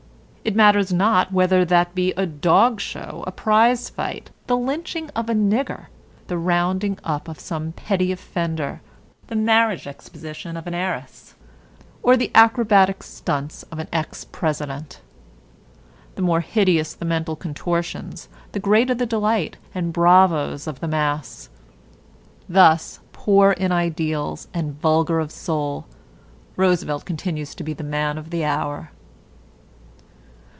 It matters not whether that be a dog show, a prize fight, the lynching of a "nigger," the rounding up of some petty offender, the marriage exposition of an heiress, or the acrobatic stunts of an ex president. The more hideous the mental contortions, the greater the delight and bravos of the mass. Thus, poor in ideals and vulgar of soul, Roosevelt continues to be the man of the hour.